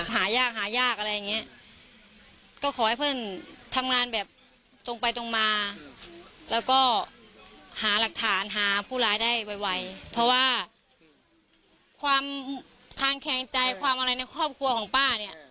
หายากหายากอะไรอย่างเงี้ยก็ขอให้เพื่อนทำงานแบบตรงไปตรงมาแล้วก็หาหลักฐานหาผู้ร้ายได้ไวเพราะว่าความคางแข็งใจความอะไรในครอบครัวของป้าเนี่ย